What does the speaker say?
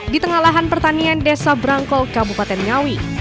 di tengah lahan pertanian desa brangkol kabupaten ngawi